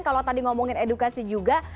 kalau tadi ngomongin edukasi juga